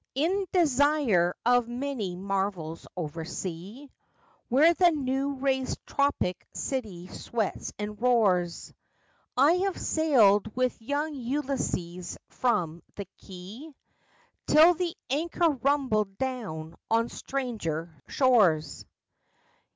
In desire of many marvels over sea, Where the new raised tropic city sweats and roars, I have sailed with Young Ulysses from the quay Till the anchor rumbled down on stranger shores.